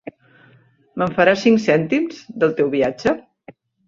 Me'n faràs cinc cèntims, del teu viatge?